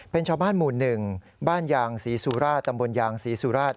เป็นชาวบ้านหมู่๑บ้านยางศรีสุราชตำบลยางศรีสุราช